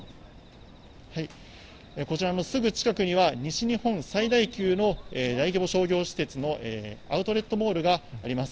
こちらのすぐ近くには、西日本最大級の大規模商業施設のアウトレットモールがあります。